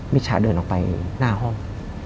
มิจฉาเดินออกไปหน้าห้อง